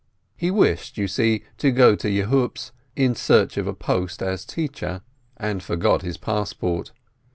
He wished, you see, to go to Yehupetz in search of a post as teacher, and forgot his passport.